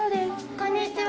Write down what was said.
こんにちは。